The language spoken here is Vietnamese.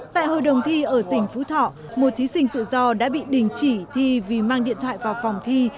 tại hội đồng thi ở tỉnh phú thọ một thí sinh tự do đã bị đình chỉ thi vì mang điện thoại vào phòng thi